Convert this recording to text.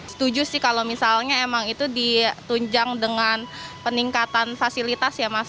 setuju sih kalau misalnya emang itu ditunjang dengan peningkatan fasilitas ya mas